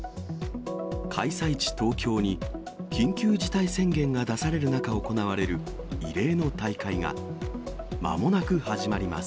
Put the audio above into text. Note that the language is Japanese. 開催地、東京に緊急事態宣言が出される中、行われる異例の大会が、まもなく始まります。